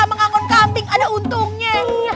sama kagon kambing ada untungnya